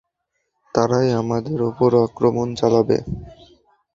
তারাই তোমাদের উপর আক্রমণ চালাবে।